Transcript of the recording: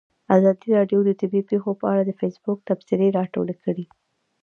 ازادي راډیو د طبیعي پېښې په اړه د فیسبوک تبصرې راټولې کړي.